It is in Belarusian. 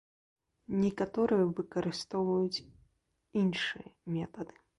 Некаторыя выкарыстоўваюць іншыя метады.